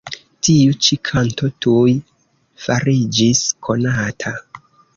Tiu ĉi kanto tuj fariĝis konata.